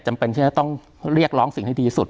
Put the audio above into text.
จำเป็นที่จะต้องเรียกร้องสิ่งให้ดีสุด